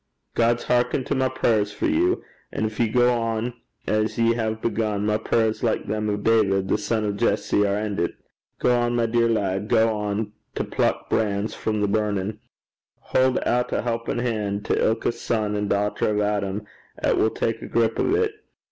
God's hearkent to my prayers for you; and gin ye gang on as ye hae begun, my prayers, like them o' David the son o' Jesse, are endit. Gang on, my dear lad, gang on to pluck brands frae the burnin'. Haud oot a helpin' han' to ilka son and dauchter o' Adam 'at will tak a grip o' 't.